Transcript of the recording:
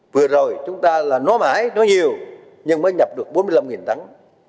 vừa rồi chúng ta là nói mãi nói nhiều nhưng mới nhập được bốn mươi năm tắng